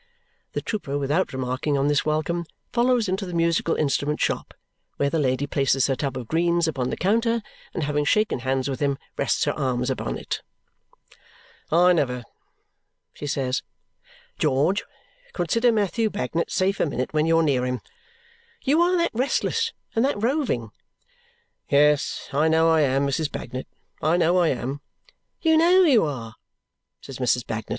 The trooper, without remarking on this welcome, follows into the musical instrument shop, where the lady places her tub of greens upon the counter, and having shaken hands with him, rests her arms upon it. "I never," she says, "George, consider Matthew Bagnet safe a minute when you're near him. You are that restless and that roving " "Yes! I know I am, Mrs. Bagnet. I know I am." "You know you are!" says Mrs. Bagnet.